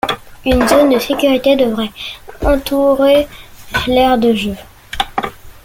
Une zone de sécurité devrait entourer l'aire de jeu.